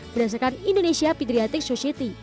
berdasarkan indonesia pediatric society